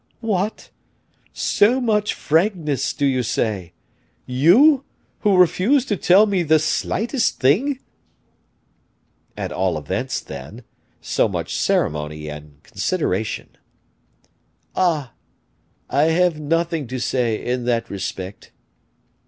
"What! so much frankness, do you say? you, who refuse to tell me the slightest thing?" "At all events, then, so much ceremony and consideration." "Ah! I have nothing to say in that respect."